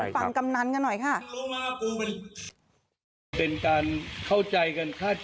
ฟังกำนันกันหน่อยค่ะ